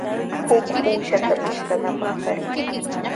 Huk uushata pishtanapaq charimuy.